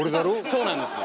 そうなんです。